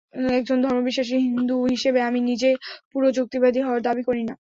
একজন ধর্মবিশ্বাসী হিন্দু হিসেবে আমি নিজে পুরো যুক্তিবাদী হওয়ার দাবি করি না।